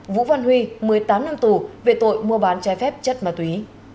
vũ văn huy một mươi tám năm tù về tội mua bán trái phép chất ma túy